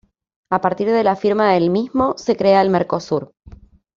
A partir de la firma del mismo, se crea el Mercosur.